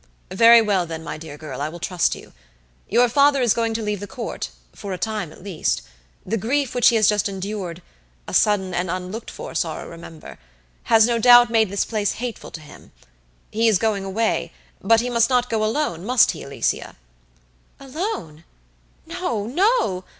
"Very well, then, my dear girl, I will trust you. Your father is going to leave the Court, for a time at least. The grief which he has just endureda sudden and unlooked for sorrow, rememberhas no doubt made this place hateful to him. He is going away; but he must not go alone, must he, Alicia?" "Alone? no! no!